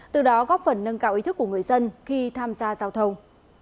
từ đó góp phần nâng cao ý thức của người dân khi tham gia giao thông